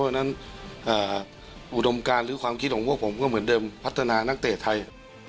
เพราะฉะนั้นอุดมการหรือความคิดของพวกผมก็เหมือนเดิมพัฒนานักเตะไทย